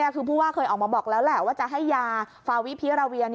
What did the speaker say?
คือผู้ว่าเคยออกมาบอกแล้วแหละว่าจะให้ยาฟาวิพิราเวีย